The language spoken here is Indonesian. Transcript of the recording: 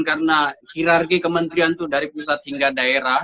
karena hirarki kementerian itu dari pusat hingga daerah